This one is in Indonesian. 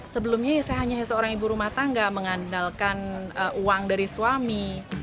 sebelumnya saya hanya seorang ibu rumah tangga mengandalkan uang dari suami